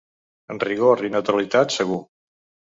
En rigor i neutralitat segur.